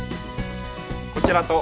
こちらと。